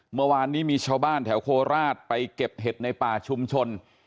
เมื่อวานนี้มีชาวบ้านแถวโคราชไปเก็บเห็ดในป่าชุมชน